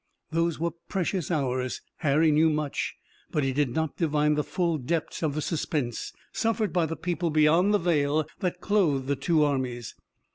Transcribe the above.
Those were precious hours. Harry knew much, but he did not divine the full depths of the suspense, suffered by the people beyond the veil that clothed the two armies.